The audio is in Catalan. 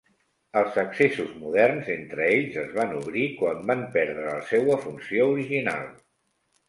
Els accessos moderns entre ells es van obrir quan van perdre la seua funció original.